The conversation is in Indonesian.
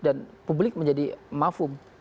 dan publik menjadi mafum